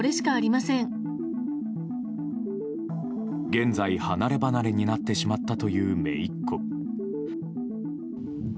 現在、離れ離れになってしまったという姪っ子。